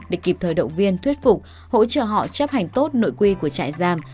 để kịp thời động viên thuyết phục hỗ trợ họ chấp hành tốt nội quy của trại giam